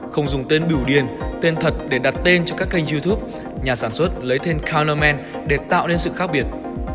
không dùng tên biểu điền tên thật để đặt tên cho các kênh youtube nhà sản xuất lấy tên color man để tạo nên sự khác biệt